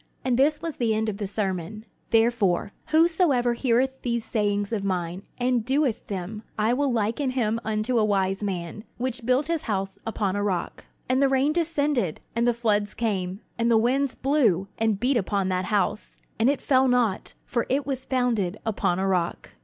And this was the end of the Sermon: "Therefore, whosoever heareth these sayings of mine, and doeth them, I will liken him unto a wise man, which built his house upon a rock: "And the rain descended, and the floods came, and the winds blew, and beat upon that house; and it fell not; for it was founded upon a rock.